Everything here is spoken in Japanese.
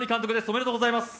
おめでとうございます。